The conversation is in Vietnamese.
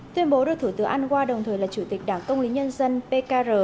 tuyên bố được thủ tướng anwa đồng thời là chủ tịch đảng công lý nhân dân pkr